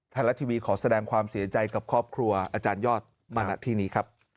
ไทยรัฐทีวีขอแสดงความเสียใจกับครอบครัวอาจารยอดมาณที่นี้ครับ